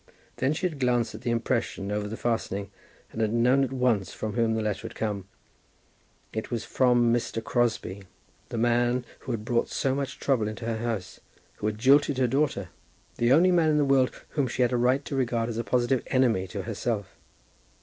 Then she had glanced at the impression over the fastening, and had known at once from whom the letter had come. It was from Mr. Crosbie, the man who had brought so much trouble into her house, who had jilted her daughter; the only man in the world whom she had a right to regard as a positive enemy to herself.